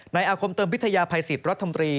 ในอาคมเติมวิทยาภัย๑๐รัฐธรรมดี